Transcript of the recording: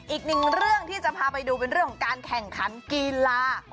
อีกหนึ่งเรื่องที่จะพาไปดูเป็นเรื่องของการแข่งขันกีฬา